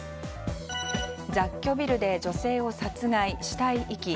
雑居ビルで女性を殺害・死体遺棄。